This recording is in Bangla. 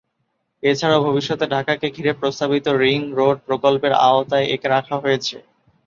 এছাড়াও ভবিষ্যতে ঢাকাকে ঘিরে প্রস্তাবিত রিং-রোড প্রকল্পের আওতায় একে রাখা হয়েছে।